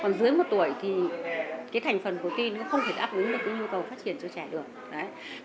còn dưới một tuổi thì cái thành phần protein nó không thể đáp ứng được cái mưu cầu phát triển cho trẻ được